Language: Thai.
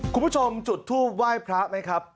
คุณผู้ชมจุดทูปไหว้พระไหมครับ